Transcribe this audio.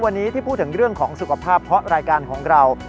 วันนี้ที่พูดถึงเรื่องของสุขภาพเพราะรายการของเรา